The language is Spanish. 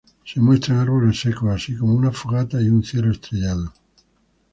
Se muestran árboles secos, así como una fogata y un cielo estrellado.